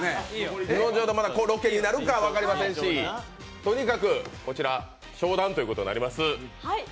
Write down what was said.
ロケになるか分かりませんし、とにかくこちら、商談ということになります。